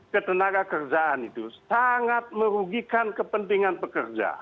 ketenaga kerjaan itu sangat merugikan kepentingan pekerja